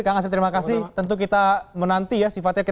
kang asep terima kasih tentu kita menanti ya sifatnya